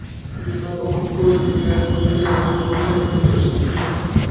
কিন্তু তাঁকে অবাক করে দিয়ে অ্যাপ্রন গায়ে মাঝবয়েসি এক ডাক্তার এসে উপস্থিত।